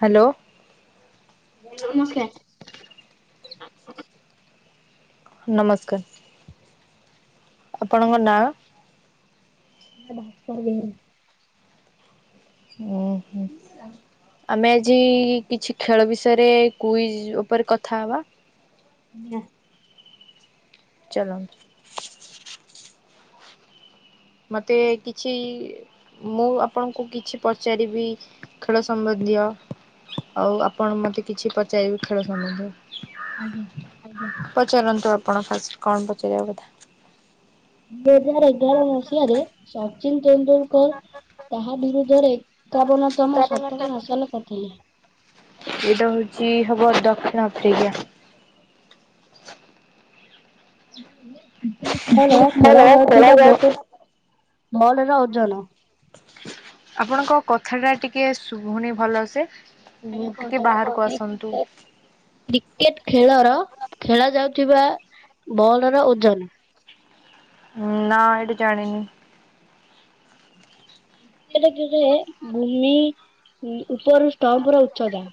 Hello. [unintelligible] ନମସ୍କାର। ଆପଣଙ୍କ ନାଁ। [unintelligible] ଓହ। ଆମେ ଆଜି କିଛି ଖେଳ ବିଷୟରେ କୁଇଜ ଉପରେ କଥା ହେବା। ଆଜ୍ଞା ଚାଲ। ମତେ କିଛି। ମୁଁ ଆପଣଙ୍କୁ କିଛି ପଚାରିବି ଖେଳ ସମ୍ବନ୍ଧୀୟ। ଆଉ ଆପଣ ମତେ କିଛି ପଚାରିବେ ଖେଳ ସମ୍ବନ୍ଧ। ଆଜ୍ଞା। ପଚାରନ୍ତୁ ଆପଣ ଫାଷ୍ଟ କଣ ପଚାରିବା କଥା। ଦୁଇ ହଜାର ଏଗାର ମସିହାରେ ସଚିନ ତେନ୍ଦୁଲ ଙ୍କର କାହା ବିରୁଦ୍ଧରେ ଏକାବନତମ ଶତକ ହାସଲ କରିଥିଲେ? ଏଇଟା ହଉଛି ହବ ଦକ୍ଷିଣ ଆଫ୍ରିକା। ବଲ ଖେଳା ଯାଉଥିବା ବ [inaudible] ବଲର ଓଜନ। ଆପଣଙ୍କ କଥା ଟା ଟିକେ ଶଭୁନି ଭଲସେ। ଉଁ ଆଜ୍ଞା ଟିକେ କହୁଛି। ବାହାରକୁ ଆସନ୍ତୁ। କ୍ରିକେଟ ଖେଳର ଖେଳା ଯାଉଥିବା ବଲ ର ଓଜନ। ନାଁ, ଏଇଟା ଜାଣିନି। [unintelligible] ଭୂମି ଉପରୁ ଷ୍ଟମ୍ପ ର ଉଚତା।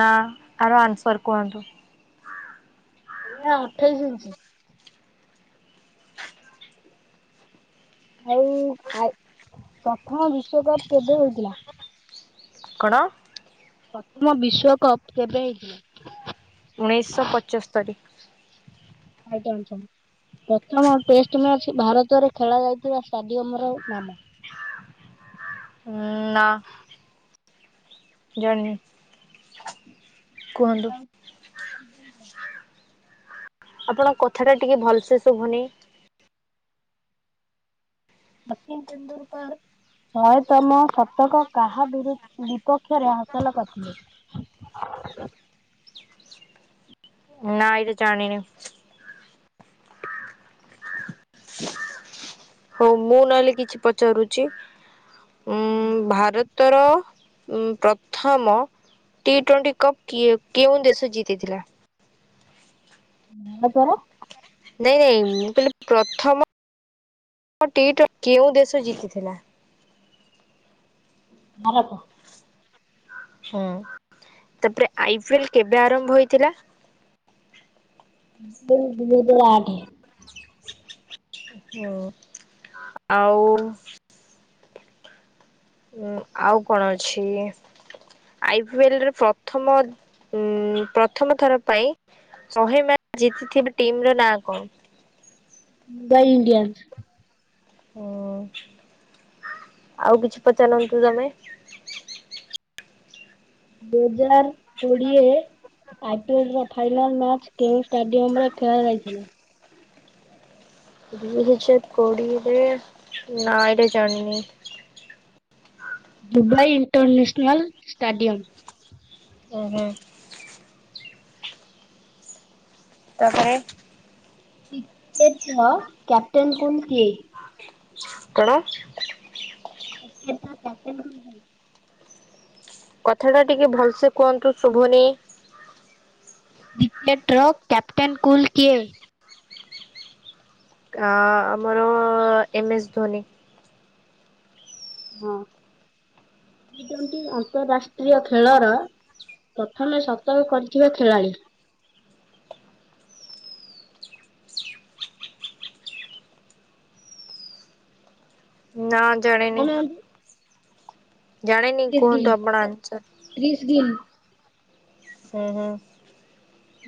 ନା, ଆର ଆନ୍ସର୍ କୁହନ୍ତୁ। ନା ଅଠେଇଶି ଇଞ୍ଚ। ଆଉ ଆ ପ୍ରଥମ ବିଶ୍ଵକପ କେବେ ହଉଥିଲା। କଣ? ପ୍ରଥମ ବିଶ୍ଵକପ୍ କେବେ ହେଇଥିଲା? ଉଣେଇଶହ ପଞ୍ଚସ୍ତରୀ। Right answer. ପ୍ରଥମ ଟେଷ୍ଟ ମ୍ୟାଚ ଭାରତରେ ଖେଳ ଯାଇଥିବା ଷ୍ଟାଡିୟମ ର ନାମ? ଉଁ ନା। ଜାଣିନି କୁହନ୍ତୁ। [inaudible] ଆପଣଙ୍କ କଥା ଟା ଟିକେ ଭଲସେ ଶୁଭୁନି। ସଚିନ୍ ତେନ୍ଦୁଲ କର୍। ଶୟେ ତମ ଶତକ କାହା ବିରୁ ବିପକ୍ଷରେ ହାସଲ କରିଥିଲେ। [unintelligible] ନା ଏଇଟା ଜାଣିନି। ହଉ ମୁଁ ନହେଲେ କିଛି ପଚାରୁଛି। ହୁଁ। ଭାରତର ଉଁ ପ୍ରଥମ ଟି ଟ୍ୱେଣ୍ଟି କପ୍ କିଏ କେଉଁ ଦେଶ ଜିତିଥିଲା? ଭାରତ ର ନାଇଁ ନାଇଁ ମୁଁ କହିଲି ପ୍ରଥମ ମ ଟି ଟଣ୍ କେଉଁ ଦେଶ ଜିତିଥିଲା? ଭାରତ। ହୁଁ ତାପରେ ଆଇ ପିଏଲ କେବେ ଆରମ୍ଭ ହେଇଥିଲା? [unintelligible] ଦୁଇ ହଜାରେ ଆଠେ। ହଁ ଆଉ ଉଁ ଆଉ କଣ ଅଛି? ଆଇ ପିଏଲ ରେ ପ୍ରଥମ ଉଁ ପ୍ରଥମ ଥର ପାଇଁ ଶହେ ମଚ ଜିତିଥିବେ ଟିମ ର ନାଁ କଣ? ମୁମ୍ବାଇ ଇଡିଆନ୍। ହୁଁ ଆଉ କିଛି ପଚାରନ୍ତୁ ତମେ? ଦୁଇ ହଜାର କୋଡିଏ ଆଇ ପି ଏଲ ର ଫାଇନାଲ ମଚ କେଉଁ ଷ୍ଟାଡିୟମ ରେ ଖେଳ ଯାଇଥିଲା। ଦୁଇ ହଜାର କୋଡିଏରେ ନା ଏଇଟା ଜାଣିନି। Dubai international stadium. ଓହୋ। ତାପରେ [unintelligible] ର କ୍ୟାପ୍ଟନ କଣ କିଏ? କଣ? [unintelligible] କଥାଟା ଟିକେ ଭଲସେ କୁହନ୍ତୁ ଶୁଭୁନି। ରିକେଟ ର କ୍ୟାପ୍ଟେନ୍ କୁଲ କିଏ? ଆ ଆମର ଏମ ଏସ୍ ଧୋନି। ହଁ ଟି ଟୋଣ୍ଟି ଅନ୍ତରାଷ୍ଟ୍ରୀୟ ଖେଳର ପ୍ରଥମେ ସତକ କରିଥିବା ଖେଳାଳି? ନା ଜାଣିନି। କହୁନାହାନ୍ତି? ଜାଣେନି କୁହନ୍ତୁ ଆପଣ ଆନ୍ସର। ରିଶଗିଲ୍। ହୁଁ ହୁଁ।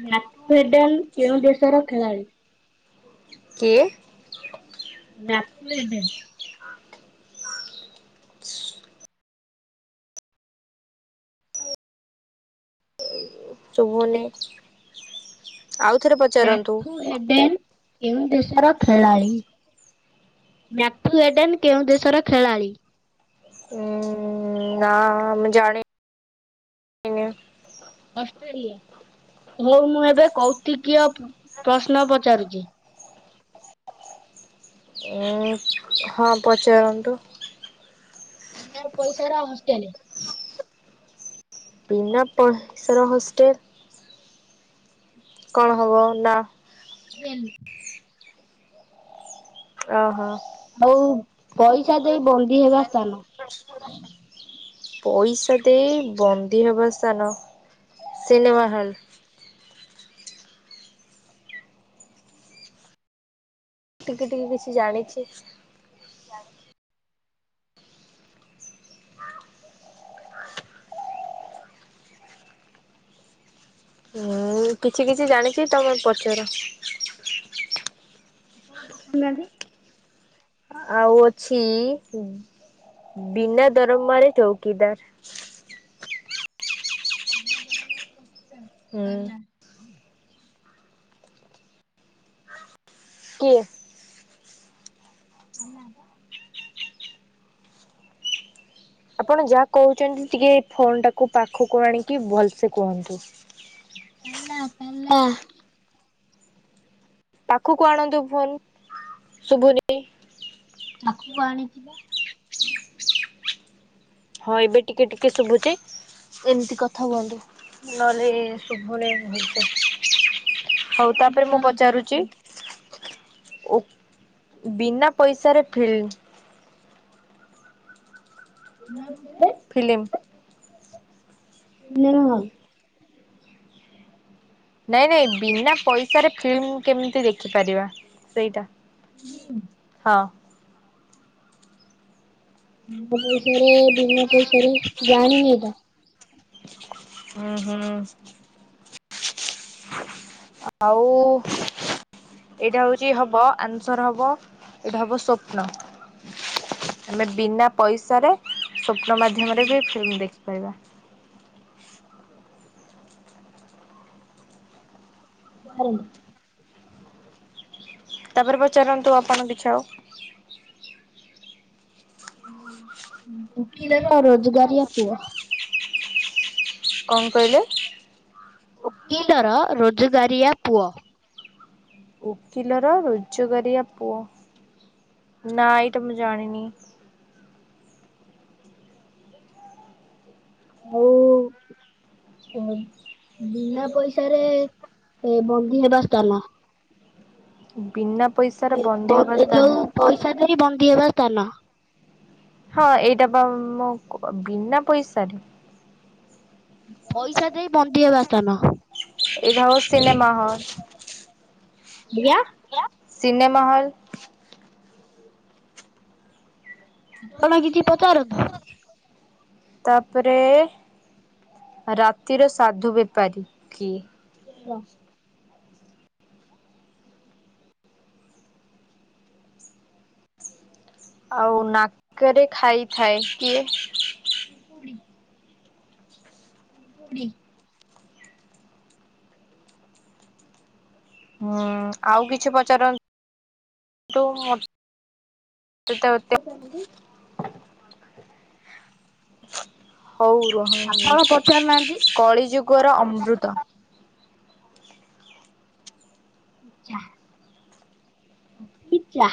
ମ୍ୟାଫ୍ରେଡେନ କେଉଁ ଦେଶର ଖେଳାଳି? କିଏ। ମ୍ୟାଫ୍ରେଡେନ୍‌। ଶୁଭୁନି। ଆଉଥରେ ପଚାରନ୍ତୁ। ମ୍ୟାଫ୍ରେଡେନ୍‌। କେଉଁ ଦେଶର ଖେଳାଳି। ମ୍ୟାଫ୍ରେଡେନ୍‌ କେଉଁ ଦେଶର ଖେଳାଳି? ଉଁ ନା ମୁଁ ଜାଣ ନି। ଅଷ୍ଟ୍ରେଲିଆ, ହଉ ମୁଁ ଏବେ କୌତିକୀୟ ପ୍ରଶ୍ନ ପଚାରୁଛି? ଉଁ ହଁ ପଚାରନ୍ତୁ। ୟା ପଇସା ରା ହଷ୍ଟେଲ। ବିନା ପଇସା ର ହୋଷ୍ଟେଲ? କଣ ହବ ନା କେନ। ଅହ। ଆଉ ପଇସା ଦେଇ ବନ୍ଦୀ ହେବା ସ୍ଥାନ? [unintelligible] ପଇସା ଦେଇ ବନ୍ଦୀ ହେବା ସ୍ଥାନ ସିନେମା ହଲ୍। ଟିକେ ଟିକେ କିଛି ଜାଣିଛି। ହୁଁ କିଛି କିଛି ଜାଣିଛି ତମେ ପଚାର। ବୁୁଝୁନାହାନ୍ତି। ଆଉ ଅଛି ବିନା ଦରମାରେ ଚୌକିଦାର? ବିନା ଦରମା ରେ ଚୌକିଦାର ହୁଁ ତାଲା। କିଏ? [inaudible] ଆପଣ ଯାହା କହୁଛନ୍ତି ଟିକେ ଫୋନ ଟାକୁ ପାଖକୁ ଆଣିକି ଭଲସେ କୁହନ୍ତୁ। ତାଲା ତାଲା। ପାଖକୁ ଆଣନ୍ତୁ ଫୋନ୍ ଶୁଭୁନି। ଆଖକୁ ଆଣିଛିିବା। ହଁ ଏବେ ଟିକେ ଟିକେ ଶୁଭୁଛି। ଏମିତି କଥା କୁହନ୍ତୁ ନହେଲେ ଶୁଭନେଇ ଭଲସେ। ହଉ ତାପରେ ମୁଁ ପଚାରୁଛି। ଓ ବିନା ପଇସାରେ ଫ୍ଲିମ ବିନା ପଇସାରେ? ଫିଲିମ୍। Film hall. ନାଇଁ ନାଇଁ ବିନା ପଇସାରେ ଫିଲ୍ମ କେମିତି ଦେଖିପାରିବା ସେଇଟା? ହୁଁ। ହଁ। ବ ପଇସାରେ ବିମା ପଇସାରେ ଜାଣିନି ଏଇଟା। ହଁ ହଁ। ଆଉ। ଏଇଟା ହଉଛି ହବ ଆନ୍ସର ହବ ଏଇଟା ହବ ସପ୍ନୋ। ଆମେ ବିନା ପଇସାରେ ସ୍ୱପ୍ନ ମାଧ୍ୟମରେ ବି ଫିଲ୍ମ ଦେଖିପାରିବା। ହେଇ। ତାପରେ ପଚାରନ୍ତୁ ଆପଣ ବିଛାଅ। ଓକିଲର ରୋଜଗାରିଆ ପୁଅ। କଣ କହିଲେ। ଓକିଲର ରୋଜଗାରିଆ ପୁଅ। ଓକିଲର ରୋଜଗାରିଆ ପୁଅ ନା ଏଇଟା ମୁଁ ଜାଣିନି। ବୋ ବିନା ପଇସାରେ ଏ ବନ୍ଦୀ ହେବା ସ୍ଥାନ। ବିନା ପଇସାର ବନ୍ଦୀ ହବା ଯୋଉ ସ୍ଥାନ। ପଇସା ଦେଇ ବନ୍ଦୀ ହେବା ସ୍ଥାନ। ହଁ ଏଇଟା ବା ମୋ ବିନା ପଇସାରେ। ପଇସା ଦେଇ ବନ୍ଦୀ ହେବା ସ୍ଥାନ। ଏଟା ହ ସିନେମା ହଲ। ଆଜ୍ଞା ସିନେମା ହଲ। ଆପଣ କିଛି ପଚାରନ୍ତୁ। ତାପରେ ରାତିରେ ସାଧୁ ବେପାରୀ କିଏ। କୁହ। ଆଉ ନାକରେ ଖାଇଥାଏ କିଏ। ହୁଁ। ଡି ହୁଁ ଆଉ କିଛି ପଚାରନ୍ ନ୍ତୁ। ତତେ ବତେ। ହଉ ରୁହ ଆପଣ ପଚାରୁନାହାନ୍ତି? କଳିଯୁଗର ଅମୃତ। ଆଚ୍ଛା। ଇଚା।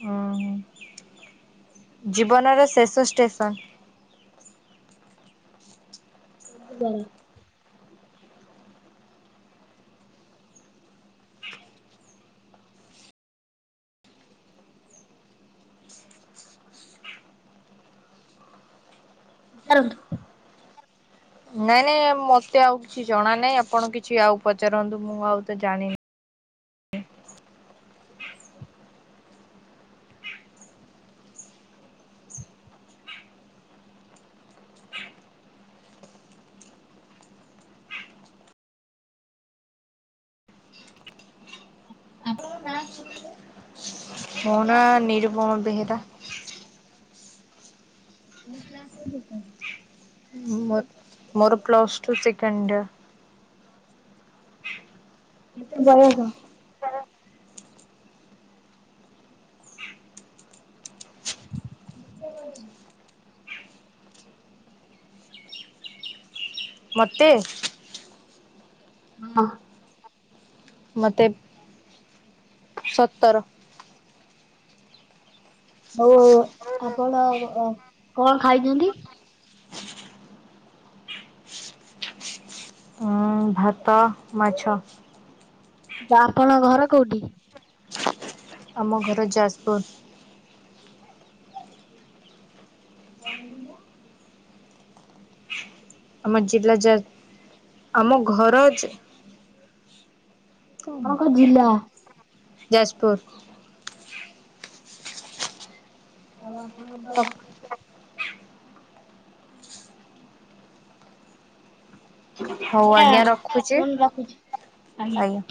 ହୁଁ ହୁଁ ଜୀବନର ଶେଷ ଷ୍ଟେସନ। ବ। ପାରନ୍ତୁ। ନାଇଁ ନାଇଁ ମତେ ଆଉ କିଛି ଜଣା ନାହିଁ ଆପଣ କିଛି ଆଉ ପଚାରନ୍ତୁ ମୁଁ ଆଉ ତ ଜାଣିନି। ଆଣଙ୍କର ନାଁ କଣ କହିଲେ। ମୋ ନାଁ ନିରୁପମା ବେହେରା। ମୁସ [unintelligible] ମୋର ମୋର ପ୍ଲସ ଟୁ ସେକେଣ୍ଡୟର୍। ଏତେ ବୟସ। କଣ ହେଇଚି। ମତେ। ହଁ। ମତେ ସତର। ହଉ ହଉ ହଉ ଆପଣ କଣ ଖାଇଛନ୍ତି। ହୁଁ ଭାତ ମାଛ। ତା ଆପଣଙ୍କ ଘର କୋଉଠି। ଆମ ଘର ଯାଜପୁର। ଭଜି ନା [unintelligible] ଆମ ଜିଲ୍ଲା ଯାଜପୁର ଆମ ଘର ଆପଣଙ୍କ ଜିଲ୍ଲା। ଯାଜପୁର। ଆଉ ଆପଣଙ୍କ ବ୍ଲକ ହଉ ଆଜ୍ଞା ରଖୁଛି ଫୋନ ରଖୁଛି ଆଜ୍ଞା।